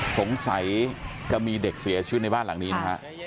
สงสัยจะมีเด็กเสียชีวิตในบ้านหลังนี้นะฮะ